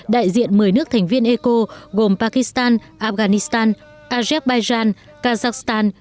đại diện một mươi nước thành viên eco gồm pakistan afghanistan azerbaijan kazakhstan